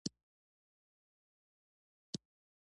تدین ته ژوره معنوي صبغه ورکړي.